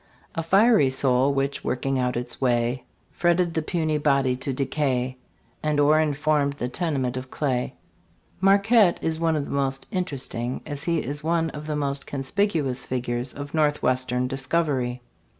A fiery soul, which, working out its way, Fretted the puny body to decay, And o'er informed the tenement of clay. j\A ARQUETTE is one of the most interesting, as he is one of the most / I conspicuous, figures of Northwestern discovery.